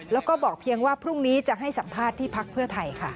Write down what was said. แล้วก็บอกเพียงว่าพรุ่งนี้จะให้สัมภาษณ์ที่พักเพื่อไทยค่ะ